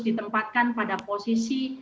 ditempatkan pada posisi